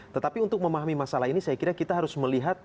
tetapi untuk memahami masalah ini saya kira kita harus melihat